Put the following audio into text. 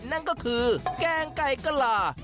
นั่นก็คือแกงไก่กะลา